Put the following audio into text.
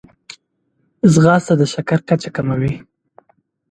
ځغاسته د شکر کچه کموي